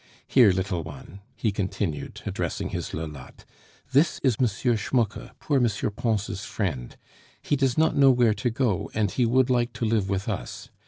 Here, little one," he continued, addressing his Lolotte, "this is M. Schmucke, poor M. Pons' friend. He does not know where to go, and he would like to live with us.